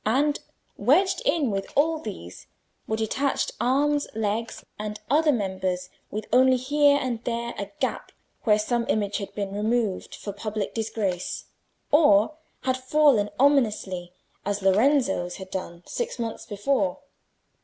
And wedged in with all these were detached arms, legs, and other members, with only here and there a gap where some image had been removed for public disgrace, or had fallen ominously, as Lorenzo's had done six months before.